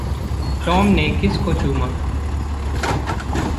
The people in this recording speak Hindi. टौम ने किस को चूमा?